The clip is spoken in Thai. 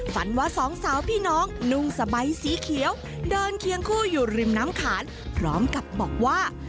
ฝันว่าสองสาวพี่น้องนุ่งสบายสีเขียวเดินเคียงคู่อยู่ริมน้ำขานพร้อมกับบอกว่า